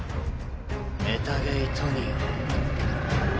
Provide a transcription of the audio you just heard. メタゲイトニオン。